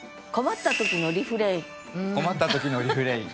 困ったときのリフレイン。